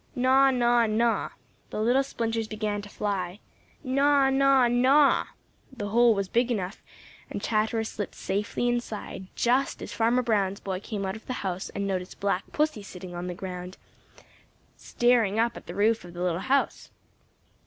Gnaw, gnaw, gnaw! The little splinters began to fly. Gnaw, gnaw, gnaw! The hole was big enough, and Chatterer slipped safely inside just as Farmer Brown's boy came out of the house and noticed Black Pussy sitting on the ground, staring up at the roof of the little house.